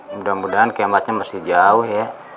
mudah mudahan kiamatnya masih jauh ya